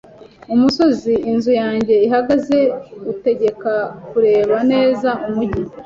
Umusozi inzu yanjye ihagaze utegeka kureba neza umujyi.